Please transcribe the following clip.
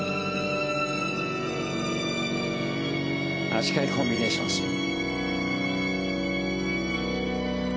足換えコンビネーションスピン。